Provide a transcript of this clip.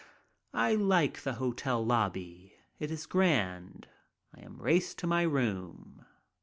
I like the hotel lobby. It is grand. I am raced to my room.